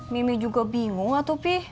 mimi juga bingung atuh pi